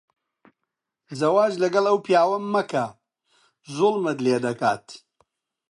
زەواج لەگەڵ ئەو پیاوە مەکە. زوڵمت لێ دەکات.